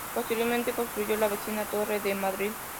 Posteriormente construyó la vecina Torre de Madrid.